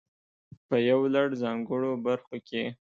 په يو لړ ځانګړو برخو کې.